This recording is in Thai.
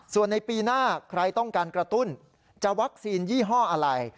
ส่วนในปีหน้าใครต้องการกระตุ้นจะวัคซีนยี่ห้ออะไร